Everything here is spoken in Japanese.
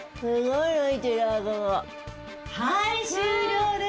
はい終了です。